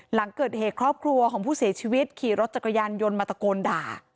หลังเกิดเหตุครอบครัวของผู้เสียชีวิตขี่รถจักรยานยนต์มาตะโกนด่า